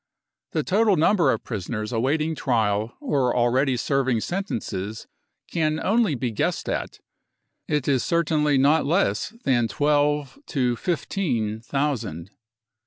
The total number of prisoners awaiting trial or already serving sentences can only be guessed at ; it is certainly not less than twelve to fifteen thousand.